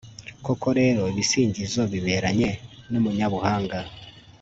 koko rero, ibisingizo biberanye n'umunyabuhanga